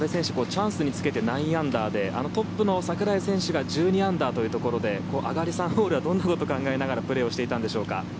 チャンスにつけて９アンダーでトップの櫻井選手が１２アンダーというところで上がり３ホールはどんなことを考えながらプレーをしていたんでしょうか。